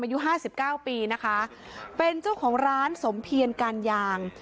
อายุห้าสิบเก้าปีนะคะเป็นเจ้าของร้านสมเพียรการยาง